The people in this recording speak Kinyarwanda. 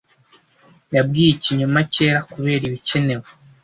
Yabwiye ikinyoma cyera kubera ibikenewe.